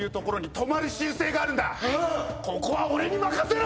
ここは俺に任せろ！